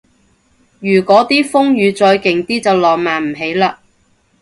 如嗰啲風雨再勁啲就浪漫唔起嘞